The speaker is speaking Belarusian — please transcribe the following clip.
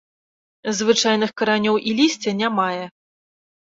Звычайных каранёў і лісця не мае.